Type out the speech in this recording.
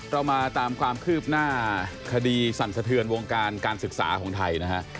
เรามาตามความคืบหน้าคดีสั่นสะเทือนวงการการศึกษาของไทยนะฮะ